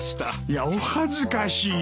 いやお恥ずかしい。